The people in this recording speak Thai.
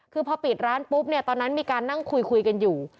คือพอปิดร้านปุ๊บเนี่ยตอนนั้นมีการนั่งคุยกันอยู่